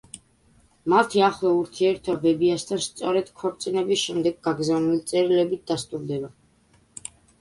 მათი ახლო ურთიერთობა ბებიასთან სწორედ ქორწინების შემდეგ გაგზავნილი წერილებით დასტურდება.